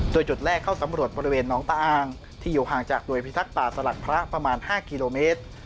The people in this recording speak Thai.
โดยจุดแรกเข้าสำรวจบริเวณน้องตาอ้างที่อยู่ห่างจากหน่วยพิทักษ์ป่าสลัดพระประมาณ๕กิโลเมตร